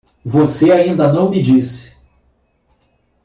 Você ainda não me disse